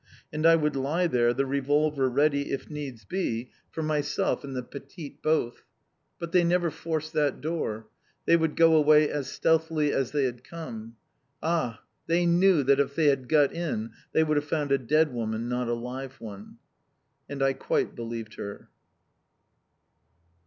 And I would lie there, the revolver ready, if needs be, for myself and the petite both! But they never forced that door. They would go away as stealthily as they had come! Ah! they knew that if they had got in they would have found a dead woman, not a live one!" And I quite believed her.